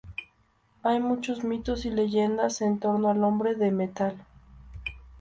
Hay muchos mitos y leyendas en torno al hombre de metal.